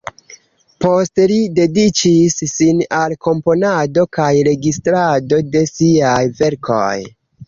Poste li dediĉis sin al komponado kaj registrado de siaj verkoj.